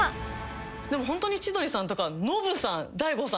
でもホントに千鳥さんとかノブさん大悟さん